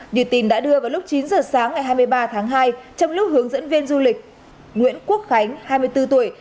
như tin đã đưa vào lúc chín giờ sáng ngày hai mươi ba tháng hai trong lúc hướng dẫn viên du lịch nguyễn quốc khánh hai mươi bốn tuổi